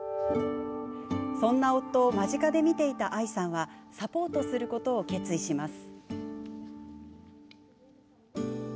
そんな夫を間近で見ていた愛さんはサポートすることを決意します。